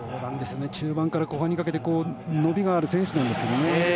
中盤から後半にかけて伸びがある選手なんですけどね。